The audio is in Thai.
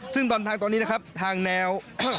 ซึ่งตอนนี้นะครับทางแนว